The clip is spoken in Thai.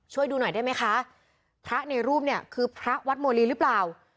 ช่วยดูหน่อยได้ไหมคะพระในรูปเนี่ยคือพระวัดโมลีหรือเปล่า